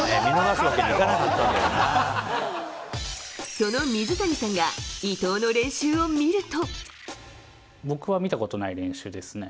その水谷さんが伊藤の練習を見ると。